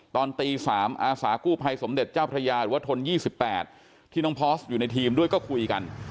ตอนตี๓อาสากู้ภัยสมเด็จเจ้าพระยาหรือว่าทน๒๘ที่น้องพอสอยู่ในทีมด้วยก็คุยกัน